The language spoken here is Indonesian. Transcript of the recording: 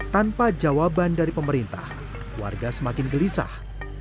tanpa jawaban dari pemerintah warga semakin gelisah